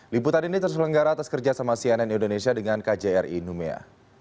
liputan ini terselenggara atas kerjasama cnn indonesia dengan kjri numea